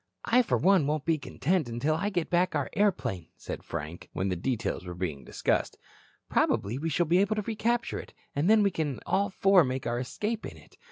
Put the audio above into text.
"I, for one, won't be content until I get back our airplane," said Frank, when the details were being discussed. "Probably we shall be able to recapture it, and then we can all four make our escape in it.